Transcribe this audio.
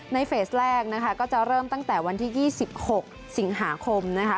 เฟสแรกนะคะก็จะเริ่มตั้งแต่วันที่๒๖สิงหาคมนะคะ